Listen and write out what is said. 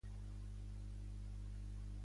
Quan es van presentar tres setmanes després?